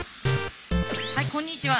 はいこんにちは。